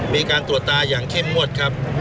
มีการตรวจตาอย่างเข้มงวดครับ